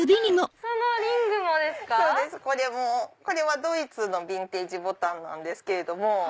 これはドイツのビンテージボタンなんですけれど。